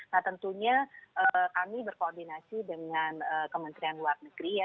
nah tentunya kami berkoordinasi dengan kementerian luar negeri ya